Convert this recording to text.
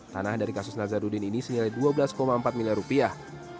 tanah dari kasus nazarudin ini senilai dua belas empat miliar rupiah